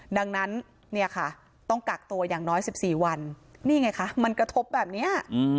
ดังนั้นเนี่ยค่ะต้องกักตัวอย่างน้อย๑๔วันนี่ไงคะมันกระทบแบบนี้